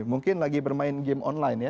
mungkin lagi bermain game online ya